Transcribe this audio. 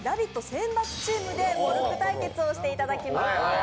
選抜チームでモルック対決をしていただきます。